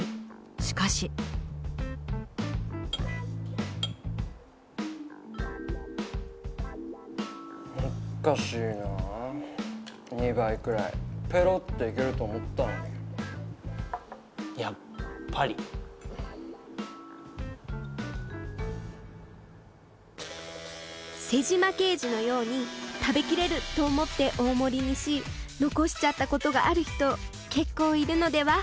しかしおっかしいなあ２倍くらいペロッといけると思ったのにやっぱり瀬島刑事のように食べきれると思って大盛りにし残しちゃったことがある人結構いるのでは？